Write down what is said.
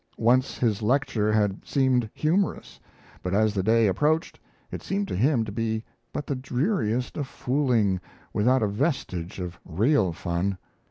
Once his lecture had seemed humorous; but as the day approached, it seemed to him to be but the dreariest of fooling, without a vestige of real fun.